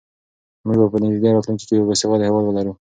موږ به په نږدې راتلونکي کې یو باسواده هېواد ولرو.